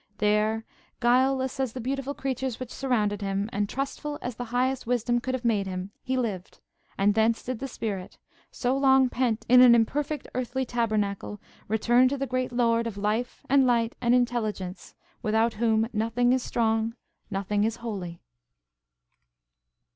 There, guileless as the beautiful creatures which surrounded him, and trustful as the Highest Wisdom could have made him, he lived; and thence did the spirit, so long pent in an imperfect earthly tabernacle, return to the great Lord of life and light and intelligence, without whom "nothing is strong, nothing is holy."